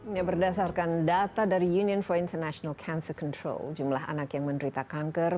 ya berdasarkan data dari union for international cance control jumlah anak yang menderita kanker